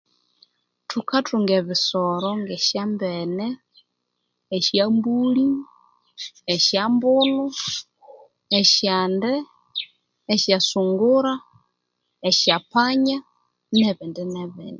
Tukatunga ebisoro nge syambene esyambulhi esyombunu esyombulhi esyasungura esyapanya nesindi nesindinesindi